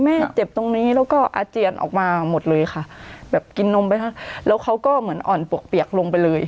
แม่เจ็บตรงนี้แล้วก็อาเจียนออกมาหมดเลยค่ะแบบกินนมไปทั้งแล้วเขาก็เหมือนอ่อนปวกเปียกลงไปเลย